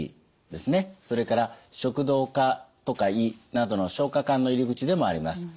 それから食道とか胃などの消化管の入り口でもあります。